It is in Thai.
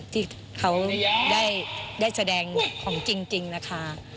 ที่เขาได้แสดงของจริงนะคะ